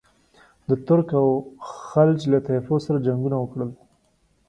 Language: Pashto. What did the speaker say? د ترک او خلج له طایفو سره جنګونه وکړل.